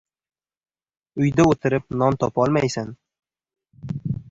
• Uyda o‘tirib non topolmaysan.